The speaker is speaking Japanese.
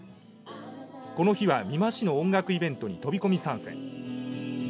この日は美馬市の音楽イベントに飛び込み参戦。